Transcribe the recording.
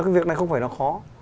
cái việc này không phải là khó